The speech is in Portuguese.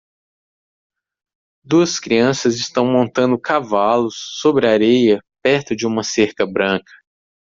Duas crianças estão montando cavalos sobre areia perto de uma cerca branca.